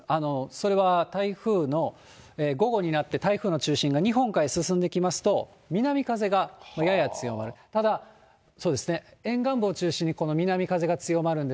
それは、台風の、午後になって、台風の中心が日本海へ進んできますと、南風がやや強まる、ただ、そうですね、沿岸部を中心に、この南風が強まるん